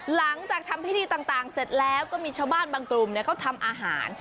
หลังจากทำพิธีต่างเสร็จแล้วก็มีชาวบ้านบางกลุ่มเขาทำอาหาร